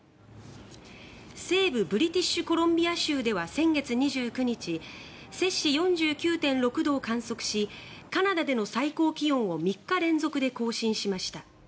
西部ブリティッシュコロンビア州では先月２９日セ氏４９．６度を観測しカナダでの最高気温を３日連続で更新しました。